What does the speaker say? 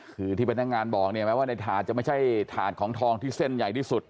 คือที่พนักงานบอกเนี่ยแม้ว่าในถาดจะไม่ใช่ถาดของทองที่เส้นใหญ่ที่สุด